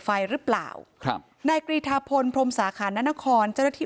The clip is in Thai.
ไฟหรือเปล่าครับนายกรีธาพลพรมสาขานานครเจ้าหน้าที่